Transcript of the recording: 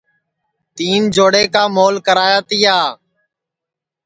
تیں جوڑے کا مول کرایا تیا